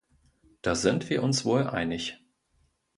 Da sind wir uns wohl einig.